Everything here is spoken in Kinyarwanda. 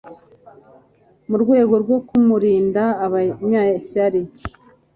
mu rwego rwo kumurinda abanyeshyari